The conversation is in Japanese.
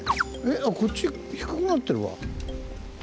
あっこっち低くなってるわ。